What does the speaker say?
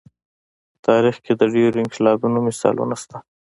په تاریخ کې د ډېرو انقلابونو مثالونه شته.